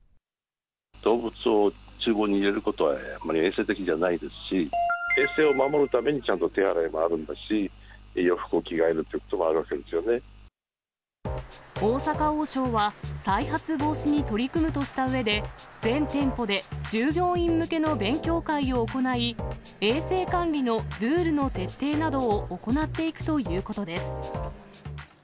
動物をちゅう房に入れることは、あんまり衛生的じゃないですし、衛生を守るためにちゃんと手洗いもあるんだし、洋服を着替えると大阪王将は再発防止に取り組むとしたうえで、全店舗で従業員向けの勉強会を行い、衛生管理のルールの徹底などを行っていくということです。